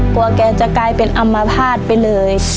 กลัวแกจะกลายเป็นอำมาภาษณ์ไปเลย